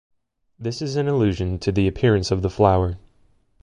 This is an allusion to the appearance of the flower.